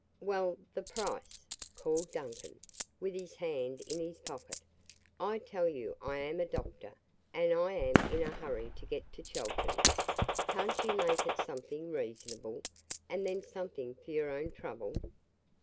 "Well, the price?" called Duncan, with his hand in his pocket. "I tell you I am a doctor, and I am in a hurry to get to Chelton. Can't you make it something reasonable and then something for your own trouble?"